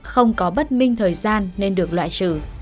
không có bất minh thời gian nên được loại trừ